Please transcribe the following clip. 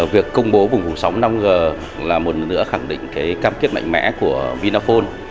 việc công bố vùng sóng năm g là một lần nữa khẳng định cam kết mạnh mẽ của vinaphone